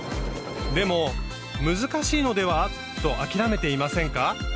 でも難しいのでは？と諦めていませんか？